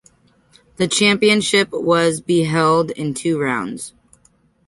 The championship was be held in two rounds.